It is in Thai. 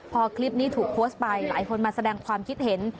พอคลิปนี้ถูกโพสต์ไปหลายคนมาแสดงความคิดเห็น